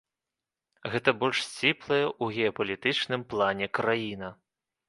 Гэта больш сціплая ў геапалітычным плане краіна.